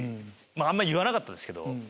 あんまり言わなかったんですけど。